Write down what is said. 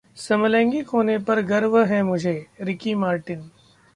समलैंगिक होने पर गर्व है मुझे: रिकी मार्टिन